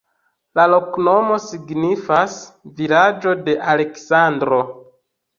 La loknomo signifas: vilaĝo de Aleksandro.